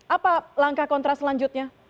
apa langkah kontras selanjutnya